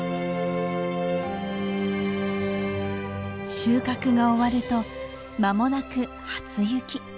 収穫が終わると間もなく初雪。